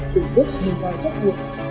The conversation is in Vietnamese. từng đất mình gọi trách nhiệm